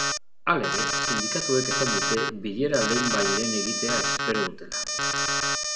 Halere, sindikatuek esan dute bilera lehenbailehen egitea espero dutela.